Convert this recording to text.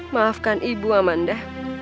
maafkan ibu amanda